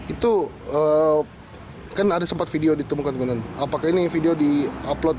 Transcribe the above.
itu kan ada sempat video ditemukan apakah ini video di upload